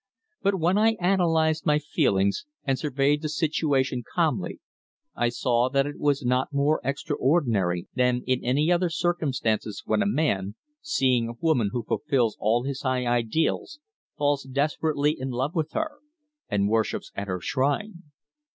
But when I analysed my feelings and surveyed the situation calmly I saw that it was not more extraordinary than in any other circumstances when a man, seeing a woman who fulfills all his high ideals, falls desperately in love with her and worships at her shrine.